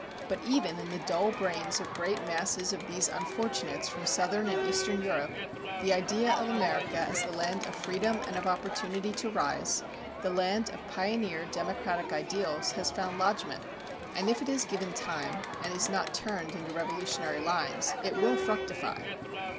But even in the dull brains of great masses of these unfortunates from southern and eastern Europe the idea of America as the land of freedom and of opportunity to rise, the land of pioneer democratic ideals, has found lodgment, and if it is given time and is not turned into revolutionary lines it will fructify.